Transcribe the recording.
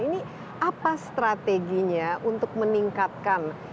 ini apa strateginya untuk meningkatkan